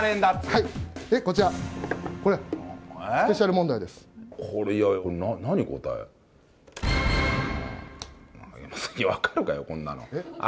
いや、分かるかよ、こんなの。